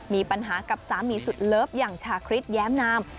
มีปัญหากับสามีสุดเลิฟอย่างชาคริสแย้มนาม